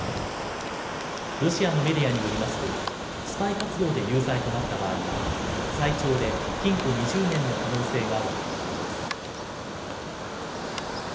ロシアのメディアによりますとスパイ活動で有罪となった場合は最長で禁錮２０年の可能性があるということです。